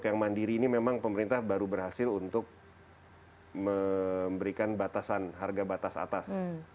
karena mandiri ini memang pemerintah baru berhasil untuk memberikan batasan harga batas atas